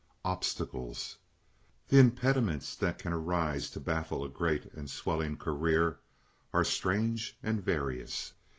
Obstacles The impediments that can arise to baffle a great and swelling career are strange and various.